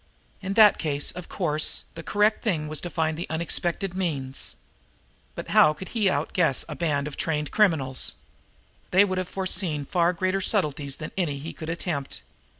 In that case, of course, the correct thing was to find the unexpected means. But how could he outguess a band of trained criminals? They would have foreseen far greater subtleties than any he could attempt.